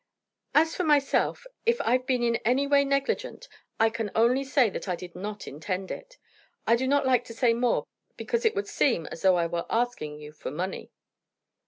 "As for myself, if I've been in any way negligent, I can only say that I did not intend it. I do not like to say more, because it would seem as though I were asking you for money."